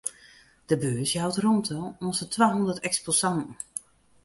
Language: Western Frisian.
De beurs jout rûmte oan sa'n twahûndert eksposanten.